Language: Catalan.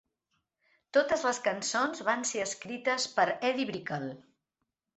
Totes les cançons van ser escrites per Edie Brickell.